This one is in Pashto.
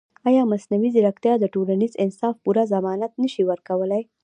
ایا مصنوعي ځیرکتیا د ټولنیز انصاف پوره ضمانت نه شي ورکولی؟